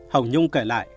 hồng nhung kể lại